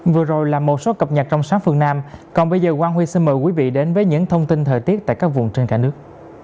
vừa rồi là một số cập nhật trong sáng phương nam còn bây giờ quang huy xin mời quý vị đến với những thông tin thời tiết tại các vùng trên cả nước